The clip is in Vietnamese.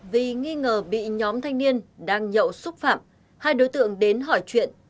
vì nghi ngờ bị nhóm thanh niên đang nhậu xúc phạm hai đối tượng đến hỏi chuyện